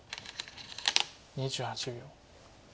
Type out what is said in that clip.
２８秒。